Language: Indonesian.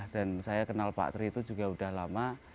dan saya kenal pak tri itu juga sudah lama